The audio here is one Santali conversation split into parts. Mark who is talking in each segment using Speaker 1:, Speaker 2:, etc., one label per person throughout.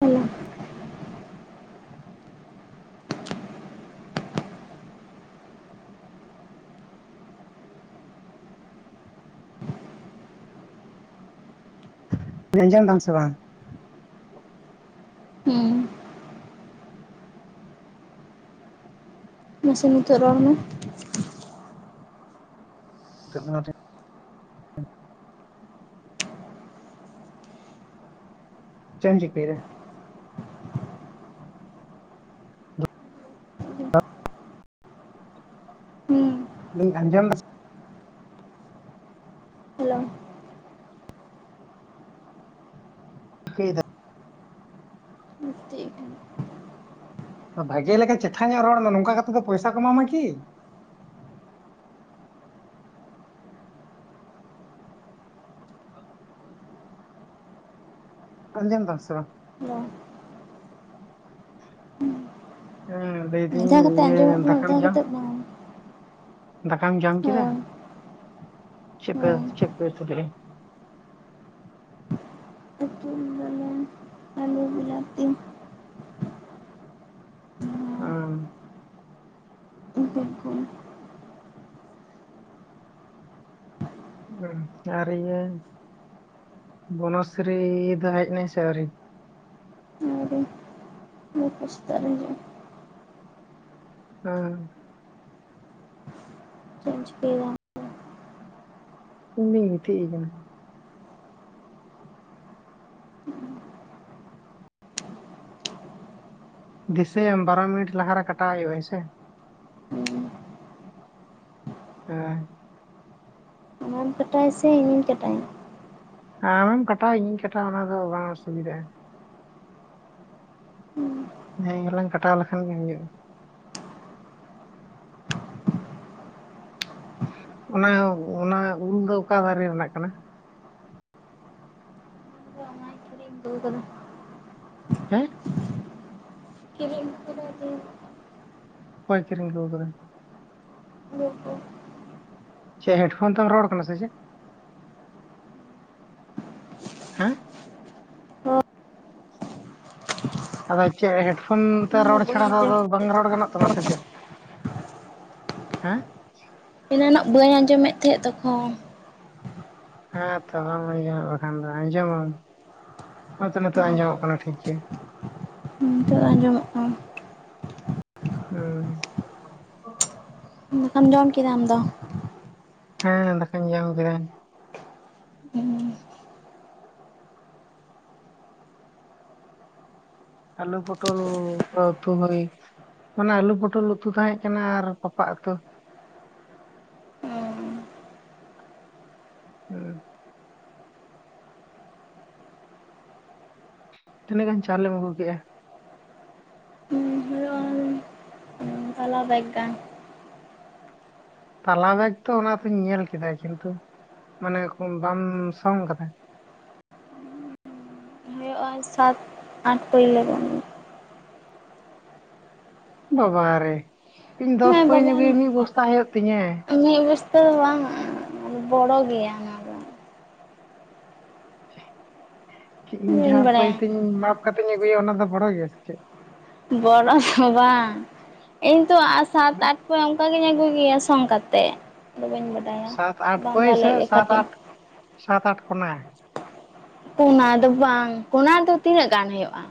Speaker 1: ᱦᱮᱞᱳ
Speaker 2: ᱟᱸᱡᱚᱢ ᱫᱟᱢ ᱥᱮ ᱵᱟᱝ?
Speaker 1: ᱦᱩ ᱢᱟᱥᱮ ᱱᱤᱛᱚᱜ ᱨᱚᱲ ᱢᱮ
Speaker 2: [unintelligible] ᱪᱮ ᱮᱢ ᱪᱤᱠᱟᱹᱭᱫᱟ
Speaker 1: ᱦᱮᱸ
Speaker 2: ᱤᱧ ᱟᱸᱡᱚᱢ ᱫᱟᱥᱮ
Speaker 1: ᱦᱮᱞᱳ
Speaker 2: ᱪᱤᱠᱟᱹᱭ ᱫᱟᱢ
Speaker 1: [unintelligible] [inaudible]
Speaker 2: ᱵᱷᱟᱜᱮ ᱞᱮᱠᱟ ᱪᱮᱴᱷᱟ ᱧᱚᱜ ᱨᱚᱲ ᱢᱮ ᱱᱚᱝᱠᱟ ᱠᱟᱛᱮᱫ ᱫᱚ ᱯᱚᱭᱥᱟ ᱠᱚ ᱮᱢᱟᱢᱟ ᱠᱤ ᱾ ᱟᱸᱡᱚᱢᱫᱟᱢ ᱥᱮ ᱵᱟᱝ
Speaker 1: ᱦᱮᱞᱳ
Speaker 2: ᱦᱮᱸ ᱞᱟᱹᱭ
Speaker 1: ᱢᱤᱫ
Speaker 2: ᱫᱤᱧ
Speaker 1: ᱫᱷᱟᱣ ᱠᱟᱛᱮ
Speaker 2: ᱤᱭᱟᱹ
Speaker 1: ᱟᱸᱡᱚᱢᱚᱜ ᱠᱟᱱᱟ ᱢᱤᱫ
Speaker 2: ᱫᱟᱠᱟᱢ
Speaker 1: ᱫᱷᱟᱣ
Speaker 2: ᱡᱚᱢ
Speaker 1: ᱠᱟᱛᱮᱫ ᱵᱟᱝ
Speaker 2: ᱫᱟᱠᱟᱢ ᱡᱚᱢ ᱠᱮᱫᱟ
Speaker 1: ᱦᱳᱭ
Speaker 2: ᱪᱮᱫ
Speaker 1: ᱦᱳᱭ
Speaker 2: ᱪᱮᱫ ᱯᱮ ᱩᱛᱩ ᱠᱮᱫᱟ ᱾
Speaker 1: ᱩᱛᱩᱧ ᱞᱚᱞᱚᱭ ᱟᱞᱩ ᱵᱤᱞᱟᱛᱤ ᱟᱨ
Speaker 2: ᱟ
Speaker 1: ᱤᱧ ᱴᱷᱮᱱ ᱠᱷᱚᱱ
Speaker 2: ᱟᱨ ᱤᱭᱟᱹ ᱵᱚᱱᱚᱥᱤᱨᱤ ᱫᱚ ᱦᱮᱡ ᱱᱟᱭ ᱥᱮ ᱟᱹᱣᱨᱤ
Speaker 1: ᱟᱹᱣᱨᱤ ᱜᱟᱯᱟ ᱥᱮᱛᱟᱜ ᱨᱮ ᱦᱤᱡᱩᱜ ᱟᱭ
Speaker 2: ᱟ
Speaker 1: ᱪᱤᱠᱟᱹᱭ ᱫᱟᱢ
Speaker 2: ᱤᱧ ᱫᱚᱧ ᱜᱤᱛᱤᱡ ᱠᱟᱱᱟ ᱾ ᱫᱤᱥᱟᱹᱭᱟᱢ ᱵᱟᱨᱚ ᱢᱤᱱᱤᱴ ᱞᱟᱦᱟᱨ ᱨᱮ ᱠᱟᱴᱟᱣ ᱦᱩᱭᱩᱜᱼᱟ ᱦᱮᱸ ᱥᱮ ᱦᱮᱸ
Speaker 1: ᱟᱢ ᱠᱟᱴᱟᱣᱥᱮ ᱤᱧᱤᱧ ᱠᱟᱴᱟᱭᱟ ᱾
Speaker 2: ᱟᱢᱮᱢ ᱠᱟᱴᱣᱟᱼᱟ ᱤᱧᱤᱧ ᱠᱟᱴᱟᱜᱣᱟ ᱚᱱᱟ ᱫᱚ ᱵᱟᱝ ᱚᱥᱩᱵᱤᱫᱼᱟ ᱾
Speaker 1: ᱦᱩᱸ
Speaker 2: ᱡᱟᱦᱟᱸᱭ ᱜᱮᱞᱟᱝ ᱠᱟᱴᱟᱣ ᱞᱮᱠᱷᱟᱱ ᱜᱮ ᱦᱩᱭᱩᱜᱼᱟ ᱚᱱᱟ ᱚᱱᱟ ᱩᱞ ᱫᱚ ᱚᱠᱟ ᱫᱟᱨᱮ ᱨᱮᱱᱟᱜ ᱠᱟᱱᱟ
Speaker 1: ᱢ ᱟ ᱱᱟᱠ ᱨᱮ ᱫᱚᱜ [unintelligible]
Speaker 2: ᱦᱮᱸ
Speaker 1: ᱠᱤᱨᱤᱧ
Speaker 2: ᱚᱠᱚᱭ ᱠᱤᱨᱤᱧ ᱟᱜᱩ ᱟᱠᱟᱫᱟᱭ ᱾
Speaker 1: ᱜᱚᱜᱚ
Speaker 2: ᱪᱮ ᱦᱮᱰᱯᱷᱳᱱ ᱛᱮᱢ ᱨᱚᱲ ᱠᱟᱱᱟ ᱥᱮ ᱪᱮᱫ ᱾ ᱦᱮᱸ
Speaker 1: ᱦᱚᱸ
Speaker 2: ᱟᱫᱚ ᱪᱮ ᱦᱮᱰ ᱯᱷᱳᱱ ᱛᱮ
Speaker 1: ᱚᱱᱟ
Speaker 2: ᱨᱚᱲ
Speaker 1: ᱫᱚ ᱵᱟᱹᱧ
Speaker 2: ᱪᱷᱟᱲᱟ ᱟᱫᱚ
Speaker 1: ᱟᱸᱡᱚᱢᱮᱫ
Speaker 2: ᱾ ᱵᱟᱝ
Speaker 1: ᱛᱟᱦᱮᱸᱫ
Speaker 2: ᱨᱚᱲ
Speaker 1: ᱛᱚᱠᱷᱚᱱ
Speaker 2: ᱜᱟᱱᱚᱜ
Speaker 1: ᱫᱚ,
Speaker 2: ᱛᱟᱢᱟ ᱥᱮ ᱪᱮᱫ ᱦᱮᱸ
Speaker 1: ᱮᱱᱟᱱᱚᱜ ᱵᱟᱹᱧ ᱟᱸᱡᱚᱢᱮᱫ ᱛᱟᱦᱮᱸᱫ ᱛᱚᱠᱷᱚᱱ ᱾
Speaker 2: ᱦᱮᱸ ᱛᱚ ᱵᱟᱝ ᱟᱡᱚᱢ ᱵᱟᱠᱷᱟᱱ ᱫᱚ ᱟᱸᱡᱚᱢ ᱦᱚᱛᱮ ᱱᱚᱛᱮ ᱟᱸᱡᱚᱢᱚᱜ ᱠᱟᱱᱟ ᱴᱷᱤᱠ ᱜᱮ
Speaker 1: ᱦᱩᱸ ᱱᱤᱛᱚᱜ ᱟᱸᱡᱚᱢᱚᱜ ᱠᱟᱱᱟ
Speaker 2: ᱦᱩᱸ
Speaker 1: ᱫᱟᱠᱟᱢ ᱡᱚᱢ ᱠᱮᱫᱟ ᱟᱢᱫᱚ
Speaker 2: ᱦᱮᱸ ᱫᱟᱠᱟᱧ ᱡᱚᱢ ᱠᱮᱫᱟᱜ ᱾ ᱟᱞᱩ ᱯᱚᱴᱚᱞ ᱩᱛᱩ ᱦᱩᱭ ᱢᱟᱱᱮ ᱟᱞᱩ ᱯᱚᱴᱚᱞ ᱩᱛᱩ ᱛᱟᱦᱮᱸ ᱠᱟᱱᱟ ᱟᱨ ᱯᱟᱯᱟᱜ ᱩᱛᱩ᱾ [inaudible] ᱛᱤᱱᱟᱹᱜ ᱜᱟᱱ ᱪᱟᱣᱞᱮᱢ ᱟᱹᱜᱩ ᱠᱮᱫ-ᱟ
Speaker 1: ᱦᱩᱭᱩᱜᱼᱟ
Speaker 2: ᱦᱩᱸ
Speaker 1: ᱛᱟᱞᱟ ᱵᱮᱜᱽ ᱜᱟᱱ
Speaker 2: ᱛᱟᱞᱟ ᱵᱮᱜᱽ ᱛᱚ ᱚᱱᱟ ᱛᱩᱧ ᱧᱮᱞ ᱠᱮᱫᱟ ᱠᱤᱱᱛᱩ ᱢᱟᱱᱮ ᱵᱟᱢ ᱥᱚᱝ ᱠᱟᱫᱟ
Speaker 1: ᱯᱟᱸᱪ ᱥᱟᱛ ᱟᱴ ᱯᱟᱹᱭ ᱜᱟᱱ [unintelligible] ᱫᱚ
Speaker 2: ᱵᱟᱵᱟᱟᱨᱮ ᱤᱧ ᱫᱚᱥ
Speaker 1: ᱦᱮᱸ
Speaker 2: ᱯᱟᱹᱭ
Speaker 1: ᱵᱟᱵᱟ
Speaker 2: ᱨᱮᱜᱮ ᱢᱤᱫ ᱵᱚᱥᱛᱟ ᱦᱩᱭᱩᱜ ᱛᱤᱧᱟᱹ
Speaker 1: ᱢᱤᱫ ᱵᱚᱥᱛᱟ ᱦᱚᱸ ᱵᱟᱝ ᱵᱚᱲᱚ ᱜᱮᱭᱟ᱾ ᱚᱱᱟ ᱫᱚ
Speaker 2: ᱤᱧ
Speaker 1: ᱵᱟᱹᱧ
Speaker 2: ᱡᱟᱦᱟᱸ
Speaker 1: ᱵᱟᱲᱟᱭᱟ
Speaker 2: ᱯᱟᱹᱭᱛᱤᱧ ᱢᱟᱯ ᱠᱟᱛᱮᱧ ᱟᱹᱜᱩᱭᱟ ᱚᱱᱟ ᱫᱚ ᱵᱚᱲᱚ ᱜᱮᱭᱟ ᱥᱮ ᱪᱮᱫ
Speaker 1: ᱵᱚᱲᱚ ᱫᱚ ᱵᱟᱝ ᱤᱧᱛᱚ ᱥᱟᱛ
Speaker 2: ᱢᱟᱱᱮ
Speaker 1: ᱟᱴ ᱥᱮ ᱚᱱᱠᱟᱜᱤᱧ ᱟᱹᱜᱩᱭ ᱜᱮᱭᱟ ᱥᱚᱝ ᱠᱟᱛᱮᱫ ᱟᱫᱚ ᱵᱟᱹᱧ ᱵᱟᱰᱟᱭ
Speaker 2: ᱥᱟᱛ ᱟᱴ ᱯᱟᱹᱭ ᱥᱮ ᱥᱟᱛ ᱟᱴ ᱥᱟᱛ ᱟᱴ ᱠᱚᱱᱟ
Speaker 1: ᱠᱚᱱᱟ ᱫᱚ ᱵᱟᱝ ᱠᱚᱱᱟ ᱫᱚ ᱛᱤᱱᱟᱹᱜ ᱜᱟᱱ ᱦᱩᱭᱩᱜ-ᱟ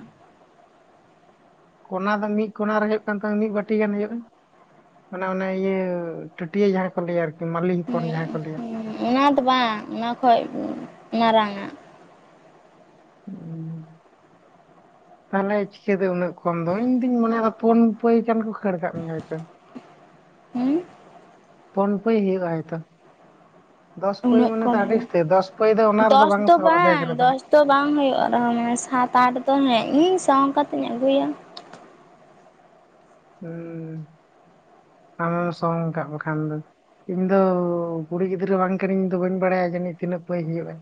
Speaker 2: ᱠᱚᱱᱟ ᱫᱚ ᱢᱤᱫ ᱠᱚᱱᱟ ᱨᱮ ᱦᱩᱭᱩᱜ ᱠᱟᱱ ᱛᱟᱢᱟ ᱢᱤᱫ ᱵᱟᱴᱤ ᱜᱟᱱ ᱦᱩᱭᱩᱜ-ᱟ ᱢᱟᱱᱮ ᱚᱱᱟ ᱤᱭᱟᱹ ᱴᱟᱹᱴᱭᱟᱹ ᱡᱟᱦᱟᱸ ᱠᱚ ᱞᱟᱹᱭᱟ ᱟᱨᱠᱤ ᱢᱟᱹᱞᱤ
Speaker 1: ᱦᱩᱸ
Speaker 2: ᱦᱚᱯᱚᱱ ᱡᱟᱦᱟᱸ ᱠᱚ ᱞᱟᱹᱭᱟ᱾
Speaker 1: ᱚᱱᱟ ᱫᱚ ᱵᱟᱝ ᱚᱱᱟ ᱠᱷᱚᱡ ᱢᱟᱨᱟᱝᱟᱜ᱾
Speaker 2: ᱩᱸ ᱛᱟᱦᱞᱮ ᱪᱤᱠᱟᱹᱛᱮ ᱩᱱᱟᱹᱜ ᱠᱚᱢ ᱫᱚ? ᱤᱧ ᱫᱩᱧ ᱢᱚᱱᱮᱭᱟ ᱯᱩᱱ ᱯᱟᱹᱭ ᱜᱟᱱ ᱠᱚ ᱠᱷᱟᱹᱲ ᱠᱟᱜ ᱢᱮᱭᱟ ᱦᱚᱭᱛᱚ᱾
Speaker 1: ᱦᱩᱸ
Speaker 2: ᱯᱩᱱ ᱯᱟᱹᱭ ᱦᱩᱭᱩᱜ-ᱟ ᱦᱳᱭᱛᱚ ᱫᱚᱥ ᱯᱟᱹᱭ
Speaker 1: ᱩᱱᱟᱹᱜ
Speaker 2: ᱢᱟᱱᱮ ᱛᱚ
Speaker 1: ᱠᱚᱢ
Speaker 2: ᱟᱹᱰᱤ ᱩᱥᱛᱟᱹ ᱫᱚᱥ ᱯᱟᱹᱭ ᱫᱚ ᱚᱱᱟ ᱨᱮᱫᱚ ᱵᱟᱝ ᱥᱟᱦᱵᱼᱟ ᱵᱮᱜ ᱨᱮᱫᱚ᱾
Speaker 1: ᱛᱚ ᱵᱟᱝ ᱦᱩᱭᱩᱜ ᱨᱮᱦᱚᱸ ᱢᱟᱱᱮ ᱥᱟᱛ ᱟᱴ ᱫᱚ ᱦᱮᱸ ᱤᱧ ᱥᱚᱝ ᱠᱟᱛᱮᱜ ᱤᱧ ᱟᱹᱜᱩᱭᱟ᱾
Speaker 2: ᱦᱤᱸ ᱟᱢᱮᱢ ᱥᱚᱝ ᱠᱟᱜ ᱵᱟᱠᱷᱟᱱ ᱫᱚ ᱤᱧ ᱫᱚ ᱠᱩᱲᱤ ᱜᱤᱫᱽᱨᱟᱹ ᱵᱟᱝ ᱠᱟᱱᱟᱹᱧ ᱤᱧ ᱫᱚ ᱵᱟᱹᱧ ᱵᱟᱲᱟᱭᱟ ᱡᱟᱹᱱᱤᱡ ᱛᱤᱱᱟᱹᱜ ᱯᱟᱹᱭ ᱦᱩᱭᱩᱜᱼᱟ᱾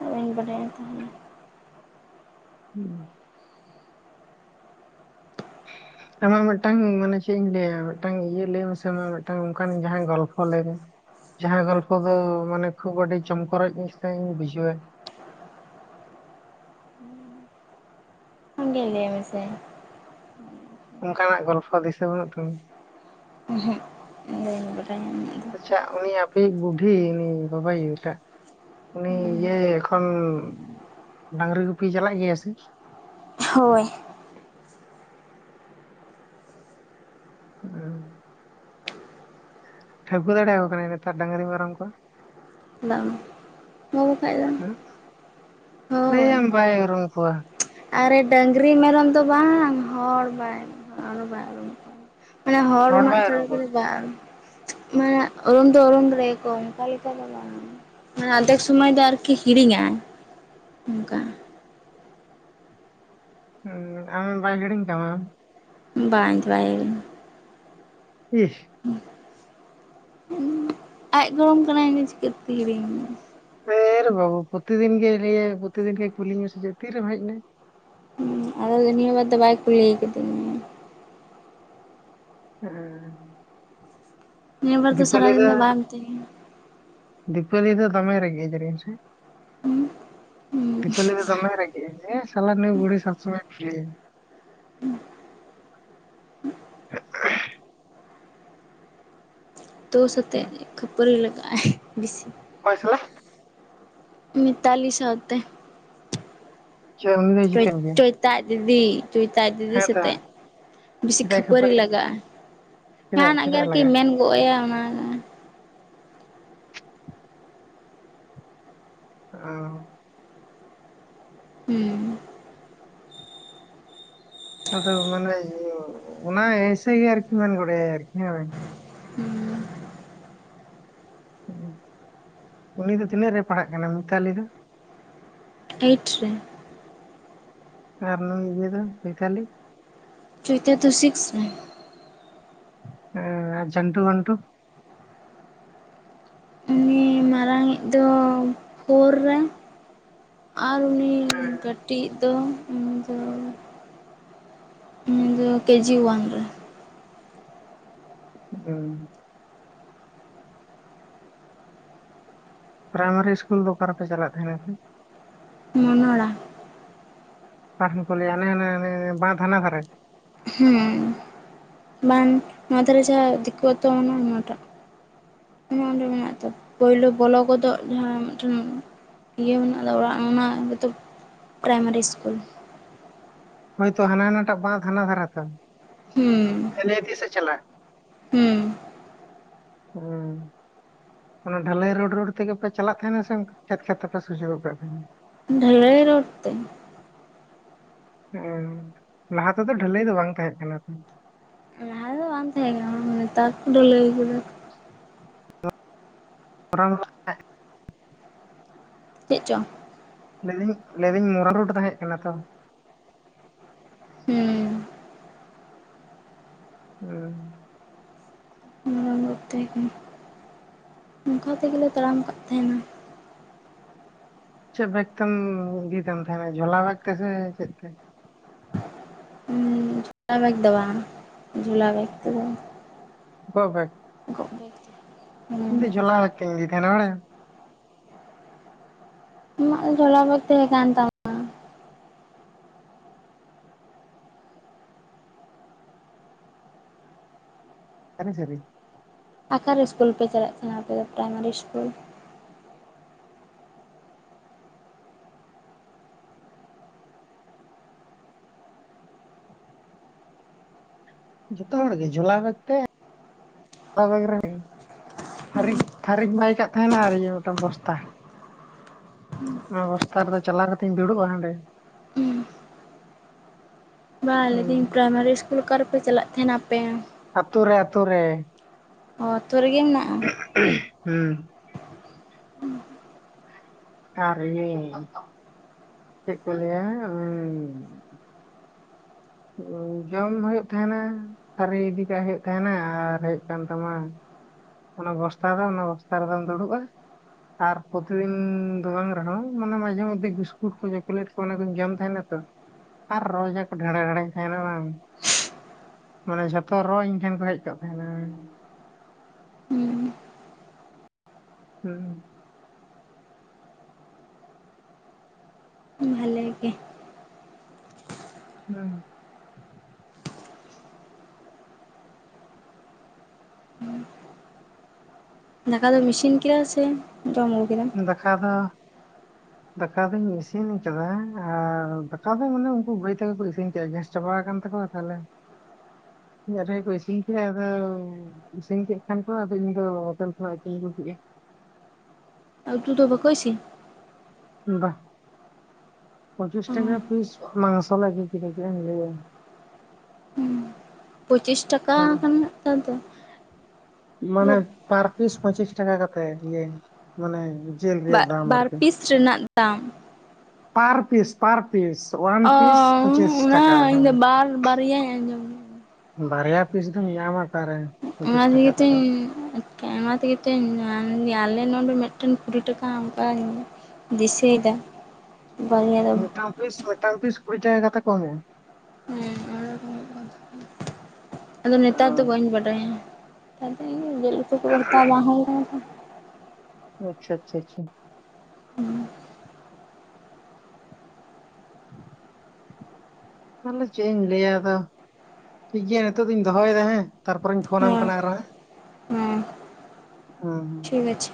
Speaker 1: ᱵᱟᱹᱧ ᱵᱟᱰᱟᱭᱟ ᱛᱟᱦᱞᱮ
Speaker 2: ᱦᱩᱸ ᱟᱢᱟᱜ ᱢᱤᱫᱴᱟᱝ ᱢᱟᱱᱮ ᱪᱮᱫ ᱤᱧ ᱞᱟᱹᱭᱟ ᱢᱤᱫᱴᱟᱝ ᱤᱭᱟᱹ ᱞᱟᱹᱭ ᱢᱮᱥᱮ ᱟᱢᱟᱜ ᱢᱤᱫᱴᱟᱝ ᱚᱱᱠᱟᱱ ᱡᱟᱸᱦᱟᱱ ᱜᱚᱞᱯᱷᱚ ᱞᱟᱹᱭᱢᱮ ᱡᱟᱦᱟᱸ ᱜᱚᱞᱯᱷᱚ ᱫᱚ ᱢᱟᱱᱮ ᱠᱷᱩᱵ ᱟᱹᱰᱤ ᱪᱚᱢᱠᱚᱨᱚᱡ ᱢᱤᱫᱴᱟᱝ ᱤᱧ ᱵᱩᱡᱷᱟᱹᱣᱟ
Speaker 1: ᱟᱢᱜᱮ ᱞᱟᱹᱭ ᱢᱮ ᱥᱮ
Speaker 2: ᱚᱝᱠᱟᱱᱟᱜ ᱜᱚᱞᱯᱷᱚ ᱫᱤᱥᱟᱹ ᱵᱟᱹᱱᱩᱜ ᱛᱟᱢᱟ
Speaker 1: ᱵᱟᱰᱟᱭ ᱵᱟᱱᱩᱜ-ᱟ ᱤᱧᱟᱹᱜ ᱫᱚ
Speaker 2: ᱪᱮᱫᱟᱜ ᱩᱱᱤ ᱟᱯᱮᱭᱤᱡ ᱵᱩᱰᱷᱤ ᱩᱱᱤ ᱵᱟᱵᱟ ᱟᱭᱩ ᱴᱟᱜ ᱩᱱᱤ ᱤᱭᱟᱹ ᱮᱠᱷᱚᱱ ᱰᱟᱝᱨᱤ ᱜᱩᱯᱤᱭ ᱪᱟᱞᱟᱜ ᱜᱮᱭᱟ ᱥᱮ?
Speaker 1: ᱦᱳᱭ
Speaker 2: ᱦᱩᱸ ᱴᱷᱟᱹᱣᱠᱟᱹ ᱫᱟᱲᱮ ᱣᱟᱠᱚ ᱠᱟᱱᱟᱭ ᱱᱮᱛᱟᱨ ᱰᱟᱹᱝᱨᱤ ᱢᱮᱨᱚᱢ ᱠᱚ?
Speaker 1: ᱵᱟᱝ ᱦᱮᱸ ᱵᱟᱠᱷᱟᱡ ᱫᱚ ᱦᱳᱭ
Speaker 2: ᱞᱟᱹᱭᱟᱢ ᱵᱟᱭ ᱩᱨᱩᱢ ᱠᱚᱣᱟ᱾
Speaker 1: ᱟᱨᱮ ᱰᱟᱹᱟᱝᱨᱤ ᱢᱮᱨᱚᱢ ᱫᱚ ᱵᱟᱝ ᱦᱚᱲ ᱵᱟᱭ ᱢᱟᱱᱮ ᱵᱟᱭ ᱩᱨᱩᱢᱚᱜᱼᱟ᱾ ᱢᱟᱱᱮ ᱦᱚᱲ ᱩᱱᱟᱹᱜ
Speaker 2: ᱵᱟᱭ ᱩᱨᱩᱢ
Speaker 1: ᱪᱟᱬᱮ
Speaker 2: ᱠᱚᱣᱟ
Speaker 1: ᱪᱟᱬᱮ ᱵᱟᱝ ᱢᱟᱱᱮ ᱳᱨᱳᱢ ᱫᱚ ᱳᱨᱳᱢ ᱫᱟᱲᱮ ᱭᱟᱠᱚᱣᱟᱢ ᱚᱝᱠᱟ ᱞᱮᱠᱟ ᱫᱚ ᱵᱟᱝ᱾ ᱢᱟᱱᱮ ᱟᱨᱫᱷᱮᱠ ᱥᱚᱢᱟᱹᱭ ᱫᱚ ᱟᱨᱠᱤ ᱦᱤᱲᱤᱧ ᱟᱭ ᱚᱱᱠᱟ
Speaker 2: ᱦᱩᱸ ᱟᱢ ᱵᱟᱝ ᱦᱤᱲᱤᱧ ᱛᱟᱢᱟᱢ ᱟᱢ
Speaker 1: ᱵᱟᱝ [unintelligible]
Speaker 2: ᱤᱜ
Speaker 1: ᱟᱡ ᱜᱚᱲᱚᱢ ᱠᱟᱱᱟᱭ ᱤᱧ ᱫᱚ ᱪᱤᱠᱟᱹᱛᱮ ᱦᱤᱲᱤᱧᱟᱹ᱾
Speaker 2: ᱫᱷᱟᱹᱨ ᱵᱟᱹᱵᱩ ᱯᱚᱛᱤᱫᱤᱱ ᱜᱮᱭ ᱞᱟᱹᱭᱟ ᱯᱚᱛᱤᱫᱤᱱ ᱜᱮᱭ ᱠᱩᱞᱤ ᱢᱮᱭᱟ ᱥᱮᱪᱮᱫ ᱛᱤᱨᱮᱢ ᱦᱮᱡ ᱮᱱᱟ?
Speaker 1: ᱟᱫᱚ ᱱᱤᱭᱟᱹ ᱵᱟᱨ ᱫᱚ ᱵᱟᱭ ᱠᱩᱞᱤᱭ ᱠᱟᱫᱤᱧᱟ
Speaker 2: ᱦᱩᱸᱜ ᱚᱸ
Speaker 1: ᱱᱤᱭᱟᱹᱵᱟᱨ ᱫᱚ ᱥᱟᱨᱟ ᱫᱤᱱ ᱫᱚ ᱵᱟᱢ ᱢᱤᱛᱟᱹᱧ ᱠᱟᱱᱟ
Speaker 2: ᱫᱤᱯᱟᱹᱞᱤ ᱫᱚ ᱫᱚᱢᱮᱭ ᱨᱟᱹᱜᱤᱜ-ᱟ ᱡᱟᱹᱱᱤᱡ ᱦᱮᱸ ᱥᱮ? ᱫᱤᱯᱟᱞᱤ ᱫᱚᱢᱮ ᱨᱟᱜᱤᱜ-ᱟᱭ ᱞᱟᱹᱭᱟᱭ ᱥᱟᱞᱟ ᱱᱩᱭ ᱵᱩᱲᱤ ᱥᱚᱵᱽᱥᱚᱢᱚᱭ ᱤᱭᱟᱹᱭ
Speaker 1: ᱛᱚ ᱥᱚᱛᱮᱜ ᱠᱷᱟᱹᱯᱟᱹᱨᱤ ᱞᱟᱜᱟᱜᱼᱟᱭ ᱵᱤᱥᱤ
Speaker 2: ᱚᱠᱚᱭ ᱥᱟᱞᱟᱜ
Speaker 1: ᱢᱤᱛᱟᱞᱤ ᱥᱟᱶᱛᱮ᱾
Speaker 2: ᱪᱮ ᱩᱱᱤ ᱫᱚᱭ
Speaker 1: ᱪᱚᱭ
Speaker 2: ᱪᱤᱠᱟᱹᱱ ᱜᱮᱭᱟ
Speaker 1: ᱪᱚᱭᱛᱟ ᱟᱡ ᱫᱤᱫᱤ ᱪᱚᱭᱛᱟ ᱟᱡ ᱫᱤᱫᱤ
Speaker 2: ᱦᱮᱸ ᱛᱚ
Speaker 1: ᱥᱚᱛᱮᱜ ᱵᱤᱥᱤ ᱠᱷᱟᱹᱯᱟᱹᱨᱤ ᱞᱟᱜᱟᱜᱼᱟ᱾
Speaker 2: ᱪᱮᱫᱟᱜ
Speaker 1: ᱡᱟᱦᱟᱱᱟᱜ ᱜᱮ
Speaker 2: ᱪᱮᱫᱟᱜ
Speaker 1: ᱟᱨᱠᱤ
Speaker 2: ᱞᱟᱜᱟᱜᱼᱟ
Speaker 1: ᱢᱮᱱ ᱜᱚᱜ ᱟᱭᱟᱭ ᱚᱱᱟ
Speaker 2: ᱚ
Speaker 1: ᱦᱩᱸ
Speaker 2: ᱟᱫᱚ ᱢᱟᱱᱮ ᱤᱭᱟᱹ ᱚᱱᱟ ᱮᱭᱥᱮ ᱜᱮ ᱟᱨᱠᱤ ᱢᱮᱱ ᱵᱟᱰᱟᱭᱟ ᱟᱨᱠᱤ ᱦᱮᱸᱵᱟᱝ
Speaker 1: ᱦᱩᱸ
Speaker 2: ᱩᱱᱤ ᱫᱚ ᱛᱤᱱᱟᱹᱜ ᱨᱮ ᱯᱟᱲᱦᱟᱜ ᱠᱟᱱᱟᱭ ᱢᱤᱛᱟᱞᱤ ᱫᱚ
Speaker 1: ᱮᱭᱤᱴ ᱨᱮ
Speaker 2: ᱟᱨ ᱱᱚᱩ ᱤᱭᱟᱹ ᱫᱚ ᱢᱤᱛᱟᱞᱤ
Speaker 1: ᱪᱩᱭᱛᱟ ᱫᱚ ᱥᱤᱠᱥ ᱨᱮ
Speaker 2: ᱮᱸ ᱟ ᱪᱟᱹᱱᱴᱩ ᱵᱟᱹᱱᱴᱩ
Speaker 1: ᱤᱧᱤᱡ ᱫᱚ ᱯᱷᱳᱨ ᱨᱮ᱾ ᱟᱨ ᱩᱱᱤ ᱠᱟᱹᱴᱤᱡ ᱫᱚ ᱩᱱᱫᱚ ᱩᱱᱤ ᱫᱚ ᱠᱮᱡᱤ ᱳᱣᱟᱱ ᱨᱮ᱾
Speaker 2: ᱚᱸ ᱯᱨᱟᱭᱢᱟᱨᱤ ᱤᱥᱠᱩᱞ ᱫᱚ ᱚᱠᱟ ᱨᱮᱯᱮ ᱪᱟᱞᱟᱜ ᱛᱟᱦᱮᱱᱟ ᱟᱯᱮ?
Speaker 1: ᱢᱚᱱᱚᱲᱟ
Speaker 2: ᱟᱨᱦᱚᱸ ᱠᱚ ᱞᱮᱭᱟ ᱦᱟᱱᱮ ᱦᱟᱱᱮ ᱦᱟᱱᱮ ᱱᱮ ᱵᱟᱸᱫᱷ ᱦᱟᱱᱟ ᱫᱷᱟᱨᱮ᱾
Speaker 1: ᱦᱩᱸ ᱵᱟᱝ ᱱᱚᱛᱮ ᱨᱮ ᱡᱟᱦᱟ ᱫᱤᱠᱩ ᱟᱛᱳ ᱢᱮᱱᱟᱜᱼᱟ ᱚᱱᱟᱴᱟᱜ ᱚᱱᱚ ᱚᱸᱰᱮ ᱢᱮᱱᱟᱜ ᱫᱛ ᱯᱳᱭᱞᱳ ᱵᱚᱞᱚ ᱜᱚᱫᱚᱜ ᱡᱟᱦᱟᱸ ᱢᱤᱫ ᱴᱷᱮᱱ ᱤᱭᱟᱹ ᱢᱮᱱᱟᱜ ᱫᱚ ᱚᱲᱟᱜ ᱚᱱᱟ ᱜᱮᱛᱚ ᱯᱨᱟᱭᱢᱟᱨᱤ ᱤᱥᱠᱩᱞ᱾
Speaker 2: ᱦᱳᱭᱛᱳ ᱦᱟᱱᱟ ᱦᱟᱱᱟᱴᱟᱜ ᱵᱟᱸᱫᱷ ᱦᱟᱱᱟ ᱫᱷᱟᱨᱮ ᱛᱚ
Speaker 1: ᱦᱩᱸ
Speaker 2: ᱛᱤᱥᱮ ᱪᱟᱞᱟᱜ
Speaker 1: ᱦᱩᱸ
Speaker 2: ᱦᱩᱸ ᱚᱱᱟ ᱰᱷᱟᱹᱞᱟᱹᱭ ᱨᱳᱰ ᱨᱳᱰ ᱛᱮᱜᱮᱯᱮ ᱪᱟᱞᱟᱜ ᱛᱟᱦᱮᱱᱟ ᱥᱮ ᱠᱷᱮᱛ ᱠᱷᱮᱛ ᱛᱮᱯᱮ ᱥᱚᱡᱷᱮ ᱜᱚᱫ ᱜᱚᱫ ᱛᱟᱦᱮᱸᱱᱟ
Speaker 1: ᱰᱷᱟᱹᱞᱟᱹᱭ ᱨᱳᱰ ᱛᱮ
Speaker 2: ᱦᱚᱸ ᱞᱟᱦᱟ ᱛᱮᱫᱚ ᱰᱷᱟᱹᱞᱟᱹᱭ ᱫᱚ ᱵᱟᱝ ᱛᱟᱦᱮᱸ ᱠᱟᱱᱟ ᱛᱚ᱾
Speaker 1: ᱞᱟᱦᱟ ᱫᱚ ᱵᱟᱝ ᱛᱟᱛᱮᱸ ᱠᱟᱱᱟ᱾ ᱱᱮᱛᱟᱨ ᱠᱚ ᱰᱷᱟᱹᱞᱟᱹᱭ ᱠᱮᱫᱟ᱾
Speaker 2: [unintelligible]
Speaker 1: ᱪᱮᱜ ᱪᱚᱝ?
Speaker 2: ᱞᱟᱹᱭ ᱫᱟᱹᱧ ᱞᱟᱹᱭ ᱮᱫᱟᱹᱧ ᱢᱩᱨᱟᱢ ᱨᱳᱰ ᱛᱟᱦᱮᱸᱜ ᱠᱟᱱᱟ ᱛᱚ
Speaker 1: ᱦᱩᱸ
Speaker 2: ᱦᱩᱸ
Speaker 1: [unintelligible] ᱛᱮᱜᱮ ᱚᱝᱠᱟ ᱛᱮᱜᱮᱞᱮ ᱛᱟᱲᱟᱢ ᱠᱟᱜ ᱛᱟᱦᱮᱱᱟ᱾
Speaker 2: ᱪᱮᱜ ᱵᱮᱜ ᱛᱮᱢ ᱤᱫᱤ ᱛᱟᱢ ᱛᱟᱦᱮᱱᱟ ᱡᱷᱚᱞᱟ ᱵᱮᱠᱛᱮ ᱥᱮ ᱪᱮᱜ ᱛᱮ?
Speaker 1: ᱚᱱᱟ ᱵᱮᱜ ᱫᱚ ᱵᱟᱝ ᱡᱷᱩᱞᱟ ᱵᱮᱜ ᱛᱮᱜᱮ
Speaker 2: ᱜᱚᱜ ᱵᱮᱠ
Speaker 1: ᱜᱚᱜ ᱵᱮᱠ [inaudible]
Speaker 2: ᱤᱧ ᱫᱚ ᱡᱷᱚᱞᱟ ᱵᱮᱠ ᱛᱮᱧ ᱤᱫᱤ ᱛᱟᱦᱮᱸ ᱟ ᱵᱟᱲᱟᱭᱟᱢ
Speaker 1: ᱟᱢᱟᱜ ᱡᱷᱚᱞᱟ ᱠᱚ [unintelligible] ᱛᱟᱦᱮᱸ ᱠᱟᱱ ᱛᱟᱢᱟ
Speaker 2: ᱥᱟᱹᱨᱤ ᱥᱟᱹᱨᱤ
Speaker 1: ᱟᱠᱟᱨᱮ ᱤᱥᱠᱩᱞ ᱯᱮ ᱪᱟᱞᱟᱜ ᱛᱟᱦᱮᱱᱟ ᱟᱯᱮ ᱫᱚ ᱯᱨᱟᱭᱢᱟᱨᱤ ᱤᱥᱠᱩᱞ?
Speaker 2: ᱡᱚᱛᱚ ᱦᱚᱲ ᱜᱮ ᱡᱚᱞᱟ ᱟᱛᱮ᱾ ᱚᱱᱟ ᱵᱮᱜ ᱨᱮ ᱜᱮ ᱛᱷᱟᱨᱤ ᱛᱟᱹᱨᱤᱧ ᱵᱟᱭ ᱠᱟᱜ ᱛᱟᱦᱮᱸᱱᱟ ᱟᱨ ᱤᱭᱟᱹ ᱢᱤᱫ ᱴᱟᱝ ᱵᱚᱥᱛᱟ᱾ ᱚᱱᱟ ᱵᱚᱥᱛᱟ ᱨᱮᱫᱚ ᱪᱟᱞᱟᱣ ᱠᱟᱛᱮᱧ ᱫᱩᱲᱩᱵᱼᱟ ᱦᱟᱸᱰᱮ᱾
Speaker 1: ᱵᱟᱝ ᱞᱟᱹᱭ ᱮᱫᱟᱹᱧ
Speaker 2: ᱦᱩᱸ
Speaker 1: ᱯᱨᱟᱭᱢᱟᱨᱤ ᱤᱥᱠᱩᱞ ᱚᱠᱟ ᱨᱮ ᱯᱮ ᱪᱟᱞᱟᱜ ᱛᱟᱦᱮᱸᱱᱟ ᱟᱯᱮ?
Speaker 2: ᱟᱛᱳ ᱨᱮ ᱟᱛᱳ ᱨᱮ᱾
Speaker 1: ᱚ ᱟᱹᱛᱩ ᱨᱮ ᱜᱮ ᱢᱮᱱᱟᱜᱼᱟ᱾
Speaker 2: ᱦᱩᱸ ᱾ ᱟᱨ ᱤᱭᱟᱹ ᱪᱮᱫ ᱠᱚ ᱞᱟᱹᱭᱟ [unintelligible] ᱦᱩᱸ ᱡᱚᱢ ᱦᱩᱭᱩᱜ ᱛᱟᱦᱮᱸᱱᱟ᱾ ᱛᱷᱟᱨᱤ ᱤᱫᱤ ᱠᱟᱜ ᱦᱩᱭᱩᱜ ᱛᱟᱦᱮᱱᱟ ᱟᱨ ᱦᱮᱡ ᱠᱟᱱ ᱛᱟᱢᱟ᱾ ᱚᱱᱟ ᱵᱚᱥᱛᱟ ᱫᱚ ᱚᱱᱟ ᱵᱚᱥᱛᱟ ᱨᱮᱫᱚᱢ ᱫᱩᱲᱩᱵᱼᱟ᱾ ᱟᱨ ᱯᱨᱚᱛᱤ ᱫᱤᱱ ᱫᱚ ᱵᱟᱝ ᱨᱮᱦᱚᱸ ᱢᱟᱱᱮ ᱢᱟᱡᱷᱮ ᱢᱚᱫᱫᱷᱮ ᱵᱤᱥᱠᱩᱴ ᱠᱚ ᱪᱚᱠᱞᱮᱴ᱾ ᱚᱱᱟ ᱠᱚᱧ ᱡᱚᱢ ᱛᱟᱦᱮᱸᱱᱟ ᱛᱚ ᱟᱨ ᱨᱚ ᱡᱟ ᱠᱚ ᱰᱷᱮᱲᱮ ᱰᱷᱮᱲᱮ᱾ ᱛᱟᱦᱮᱸᱱᱟ ᱵᱟᱝ ᱢᱟᱱᱮ ᱡᱷᱚᱛᱚ ᱨᱚ ᱤᱧ ᱴᱷᱮᱱ ᱠᱚ ᱦᱮᱡ ᱠᱚᱜ ᱛᱟᱦᱮᱸᱱᱟ᱾
Speaker 1: ᱦᱩᱸ
Speaker 2: ᱦᱮᱸ
Speaker 1: ᱵᱷᱟᱞᱮ ᱜᱮ
Speaker 2: ᱦᱩᱸ
Speaker 1: ᱫᱟᱠᱟ ᱫᱚᱢ ᱤᱥᱤᱱ ᱠᱮᱫᱟ ᱥᱮ ᱡᱚᱢ ᱟᱜᱩ ᱠᱮᱫᱟᱢ᱾
Speaker 2: ᱫᱮᱠᱟ ᱫᱚ ᱫᱟᱠᱟ ᱫᱚᱧ ᱤᱥᱤᱱ ᱟᱠᱟᱫᱟ ᱟᱨ ᱫᱟᱠᱟ ᱫᱚ ᱢᱟᱱᱮ ᱩᱱᱠᱩ ᱜᱟᱹᱭ ᱛᱮᱠᱚ ᱠᱚ ᱤᱥᱤᱱ ᱠᱮᱫ ᱜᱮᱥ᱾ ᱪᱟᱵᱟ ᱠᱟᱱ ᱛᱟᱠᱚᱣᱟ ᱛᱟᱦᱚᱞᱮ ᱤᱧᱟᱜ ᱨᱮᱜᱮ ᱠᱚ ᱤᱥᱤᱱ ᱠᱮᱫ ᱟᱫᱚ᱾ ᱤᱥᱤᱱ ᱠᱮᱫ ᱠᱷᱟᱱ ᱠᱚ ᱤᱧ ᱫᱚ ᱦᱳᱴᱮᱞ ᱠᱷᱚᱱᱟᱜ ᱜᱤᱧ ᱟᱹᱜᱩ ᱠᱮᱜᱼᱟ᱾
Speaker 1: ᱟᱨ ᱩᱛᱩ ᱫᱚ ᱵᱟᱠᱚ ᱤᱥᱤᱱ᱾
Speaker 2: ᱵᱟᱝ ᱯᱚᱸᱪᱤᱥ
Speaker 1: ᱚ
Speaker 2: ᱴᱟᱠᱟ ᱯᱤᱥ ᱢᱟᱝᱥᱚ ᱞᱮ ᱟᱹᱜᱩ ᱠᱮᱫᱟ ᱪᱮᱫ ᱮᱢ ᱞᱟᱹᱭᱟ ᱾
Speaker 1: ᱯᱚᱸᱪᱤᱥ ᱴᱟᱠᱟ
Speaker 2: ᱦᱮᱸ
Speaker 1: ᱠᱟᱱ ᱱᱮᱛᱟᱨ ᱫᱚ᱾
Speaker 2: ᱢᱟᱱᱮ ᱯᱟᱨ ᱯᱤᱥ ᱯᱚᱸᱪᱤᱥ ᱴᱟᱠᱟ ᱠᱟᱛᱮᱜ ᱤᱭᱟᱹ᱾ ᱢᱟᱱᱮ ᱡᱮᱞ ᱨᱮᱭᱟᱜ ᱫᱟᱢ
Speaker 1: ᱵᱟᱨ
Speaker 2: ᱟᱨᱠᱤ
Speaker 1: ᱯᱤᱥ ᱨᱮᱱᱟᱜ ᱫᱟᱢ
Speaker 2: ᱯᱟᱨ ᱯᱤᱥ ᱯᱟᱨ᱾ ᱯᱤᱥ ᱚᱣᱟᱱ
Speaker 1: ᱚ
Speaker 2: ᱯᱤᱥ ᱯᱚᱸᱪᱤᱥ ᱴᱟᱠᱟ ᱦᱩᱸ
Speaker 1: ᱵᱟᱨᱭᱟ ᱟᱡᱚᱸᱢ
Speaker 2: ᱵᱟᱨᱭᱟ ᱯᱤᱥ ᱫᱚᱢ ᱧᱟᱢᱟ ᱚᱠᱟᱨᱮ᱾
Speaker 1: ᱚᱱᱟ
Speaker 2: ᱯᱚᱸᱪᱤᱥ
Speaker 1: ᱛᱮ
Speaker 2: ᱴᱟᱠᱟ
Speaker 1: ᱜᱮ
Speaker 2: ᱛᱮᱫᱚ
Speaker 1: ᱛᱩᱧ ᱦᱮᱸ ᱚᱱᱟ ᱛᱮᱜᱮ ᱛᱩᱧ ᱟᱧ ᱤᱧ ᱟᱞᱮ ᱱᱚᱰᱮ ᱢᱮᱫᱴᱮᱱ ᱠᱩᱲᱤᱴᱟᱠᱟ ᱚᱱᱠᱟᱧ᱾ ᱫᱤᱥᱟᱹᱭ ᱫᱟ᱾
Speaker 2: ᱢᱤᱫᱴᱟᱝ ᱯᱤᱥ ᱢᱤᱫᱴᱟᱝ ᱯᱤᱥ ᱠᱩᱲᱤ ᱴᱟᱠᱟ ᱠᱟᱛᱮ ᱠᱚ ᱮᱢᱚᱜᱼᱟ᱾
Speaker 1: ᱦᱮᱸ ᱟᱫᱚ ᱱᱮᱛᱟᱨ ᱫᱚ ᱵᱟᱹᱧ
Speaker 2: ᱮᱢᱚᱜᱼᱟ
Speaker 1: ᱵᱟᱰᱟᱭᱟ ᱱᱮᱛᱟᱨ ᱫᱚ ᱡᱮᱞ ᱩᱛᱩ ᱠᱚᱫᱚ ᱦᱟᱛᱟᱣ ᱵᱟᱝ ᱦᱩᱭ ᱠᱟᱱᱟ ᱥᱮ ᱾
Speaker 2: ᱟᱪᱪᱷᱟ ᱟᱪᱪᱷᱟ ᱟᱪᱪᱷᱟ᱾ [inaudible] ᱛᱟᱦᱚᱞᱮ ᱪᱮᱫ ᱤᱧ ᱞᱟᱹᱭᱟ ᱟᱫᱚ᱾ ᱴᱷᱤᱠ ᱜᱮᱭᱟ ᱱᱤᱛᱚᱜ ᱫᱚᱧ ᱫᱚᱦᱚᱭᱮᱫᱟ ᱦᱮᱸ, ᱛᱟᱨᱯᱚᱨᱮᱧ
Speaker 1: ᱛᱚ
Speaker 2: ᱯᱷᱳᱱᱟᱢ
Speaker 1: ᱦᱮᱸ
Speaker 2: ᱠᱟᱱᱟ ᱟᱨᱚ ᱦᱟᱸᱜ᱾
Speaker 1: ᱦᱮᱸ
Speaker 2: ᱚᱸ ᱦᱚᱸ᱾
Speaker 1: ᱴᱷᱤᱠ ᱟᱪᱷᱮ᱾